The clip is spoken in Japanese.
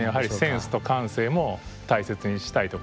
センスと感性も大切にしたいところです。